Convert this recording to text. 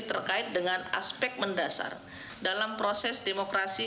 terkait dengan aspek mendasar dalam proses demokrasi